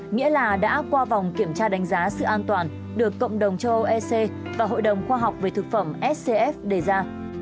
nghĩa là đã qua vòng kiểm tra đánh giá sự an toàn được cộng đồng châu âu ec và hội đồng khoa học về thực phẩm scf đề ra